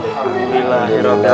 sudah d ya